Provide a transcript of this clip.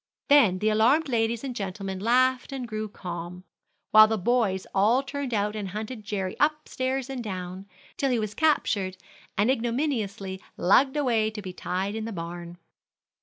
Then the alarmed ladies and gentlemen laughed and grew calm, while the boys all turned out and hunted Jerry up stairs and down, till he was captured and ignominiously lugged away to be tied in the barn.